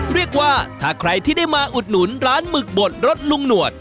เรียกว่าถ้าใครที่ได้มาอุดหนุนร้านหมึกบดรสลุงหนวด